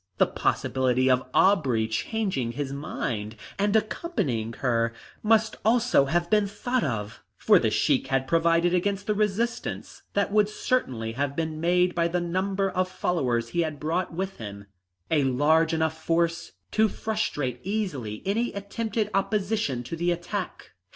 The possibility of Aubrey changing his mind and accompanying her must also have been thought of, for the Sheik had provided against the resistance that would certainly have then been made by the number of followers he had brought with him a large enough force to frustrate easily any attempted opposition to the attack.